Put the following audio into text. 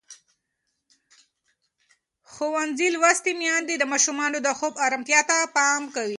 ښوونځې لوستې میندې د ماشومانو د خوب ارامتیا ته پام کوي.